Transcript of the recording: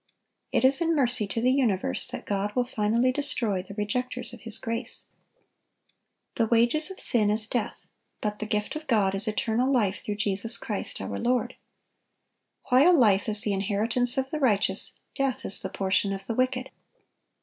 It is in mercy to the universe that God will finally destroy the rejecters of His grace. "The wages of sin is death; but the gift of God is eternal life through Jesus Christ our Lord."(953) While life is the inheritance of the righteous, death is the portion of the wicked.